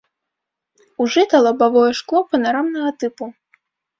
Ужыта лабавое шкло панарамнага тыпу.